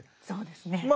そうですね。